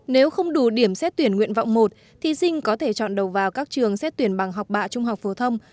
nếu không đủ điểm xét tuyển nguyện vọng một thí sinh có thể chọn đầu vào các trường xét tuyển bằng học bạ trung học phổ thông